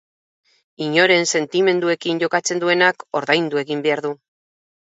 Inoren sentimenduekin jokatzen duenak ordaindu egin behar du.